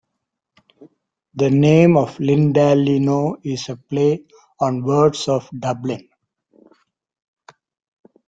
The name Lindalino is a play on words of Dublin.